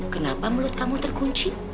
kenapa belut kamu terkunci